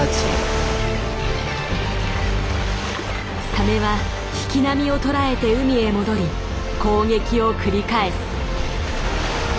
サメは引き波をとらえて海へ戻り攻撃を繰り返す。